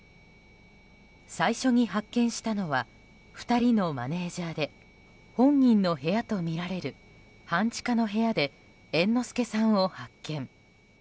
最初に発見したのは２人のマネジャーで本人の部屋とみられる半地下の部屋で猿之助さんを発見。